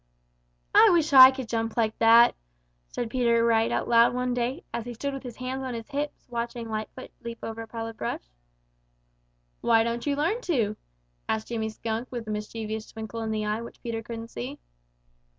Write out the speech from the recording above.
"I wish I could jump like that," said Peter right out loud one day, as he stood with his hands on his hips watching Lightfoot leap over a pile of brush. "Why don't you learn to?" asked Jimmy Skunk with a mischievous twinkle in the eye which Peter couldn't see.